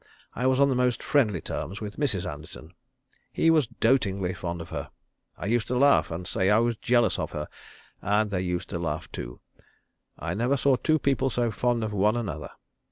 I was on the most friendly terms with Mrs. Anderton. He was dotingly fond of her. I used to laugh, and say I was jealous of her, and they used to laugh too. I never saw two people so fond of one another.